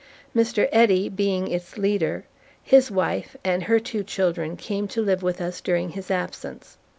Mr. Eddy being its leader, his wife and her two children came to live with us during his absence.